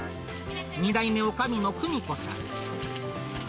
２代目おかみの久美子さん。